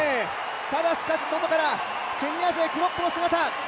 ただ、しかし外からケニア勢クロップの姿。